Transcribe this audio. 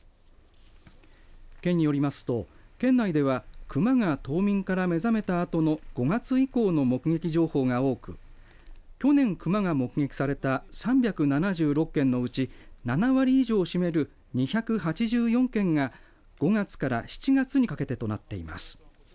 県によりますと、県内では熊が冬眠から目覚めたあとの５月以降の目的情報が多く去年、熊が目撃された３７６件のうち７割以上を占める２８４件が５月から７月にかけてとなっています。